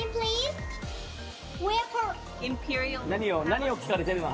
何を聞かれてるの？